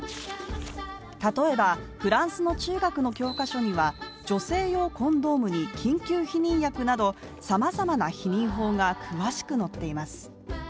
例えば、フランスの中学の教科書には女性用コンドームに緊急避妊薬など、様々な避妊法が詳しく載っています。